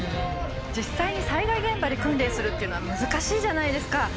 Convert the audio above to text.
実際に災害現場で訓練するっていうのは難しいじゃないですか。